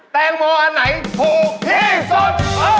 แตงโมอันไหนถูกที่สุด